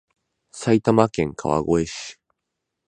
埼玉県川越市